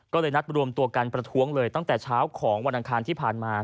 ก็เลยนัดรวมตัวกันประท้วงเลยตั้งแต่เช้าของวันอังคารที่ผ่านมา